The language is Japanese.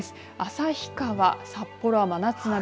旭川、札幌は真夏並み。